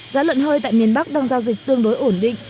giá lợn hơi tại miền bắc đang giao dịch tương đối ổn định